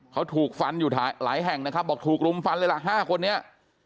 เขาถูกฟันอยู่หลายแห่งนะครับบอกถูกรุมฟันเลยล่ะ๕คนนี้